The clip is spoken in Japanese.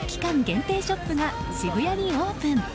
限定ショップが渋谷にオープン。